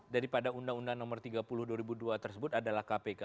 daripada undang undang nomor tiga puluh dua ribu dua tersebut adalah kpk